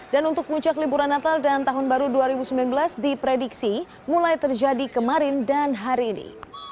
dan untuk puncak liburan natal dan tahun baru dua ribu sembilan belas diprediksi mulai terjadi kemarin dan hari ini